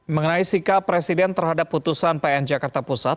mengenai sikap presiden terhadap putusan pn jakarta pusat